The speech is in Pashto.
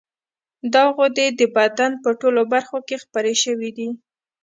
دا غدې د بدن په ټولو برخو کې خپرې شوې دي.